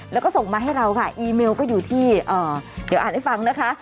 แล้วก็ส่งมาให้เราค่ะอีเมลก็อยู่ที่เดี๋ยวอ่านให้ฟังนะคะ